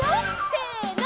せの！